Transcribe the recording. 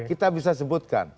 kita bisa sebutkan